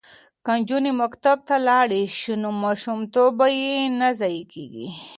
که نجونې مکتب ته لاړې شي نو ماشوم توب به یې نه ضایع کیږي.